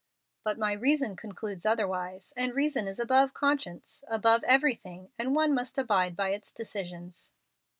"But my reason concludes otherwise, and reason is above conscience above everything, and one must abide by its decisions."